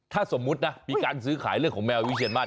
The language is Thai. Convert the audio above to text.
ถ้าสมมุตินะมีการซื้อขายเรื่องของแมววิเชียนมาก